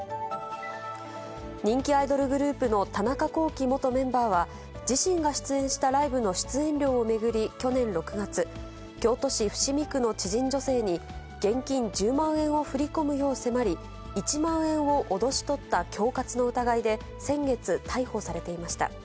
人気アイドルグループの田中聖元メンバーは、自身が出演したライブの出演料を巡り、去年６月、京都市伏見区の知人女性に、現金１０万円を振り込むよう迫り、１万円を脅し取った恐喝の疑いで先月、逮捕されていました。